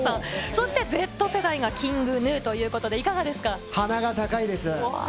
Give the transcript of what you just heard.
そしてＺ世代がＫｉｎｇＧｎｕ鼻が高いです。